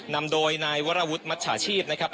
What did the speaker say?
นำโดยนายวรวุฒิมัชชาชีพนะครับ